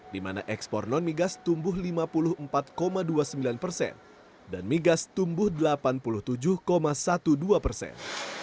di mana ekspor non migas tumbuh lima puluh empat dua puluh sembilan persen dan migas tumbuh delapan puluh tujuh dua belas persen